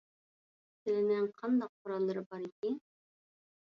سىلىنىڭ قانداق قوراللىرى بارئىكىن؟